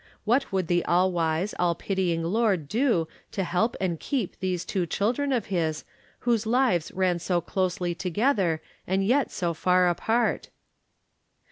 What would the All wise, All pitying Lord do to help and keep these two children of his, whose lives ran so closely together and yet so far apart?